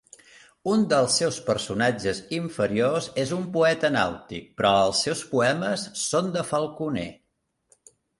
Un dels seus personatges inferiors és un poeta nàutic, però els seus poemes són de Falconer.